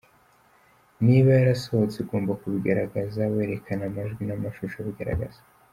"Niba yarasohotse, ugomba kubigaragaza werekana amajwi n'amashusho abigaragaza.